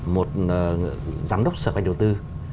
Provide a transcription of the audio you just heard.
một giám đốc sở bạch đầu tư